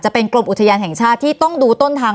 เป็นกรมอุทยานแห่งชาติที่ต้องดูต้นทาง